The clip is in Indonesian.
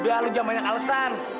udah lo jam banyak alesan